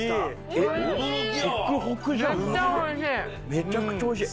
めちゃくちゃ美味しい。